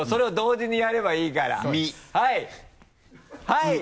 はい！